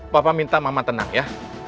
papa minta mama tenang ya